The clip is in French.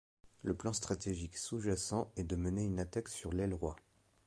Le plan stratégique sous-jacent est de mener une attaque sur l'aile roi.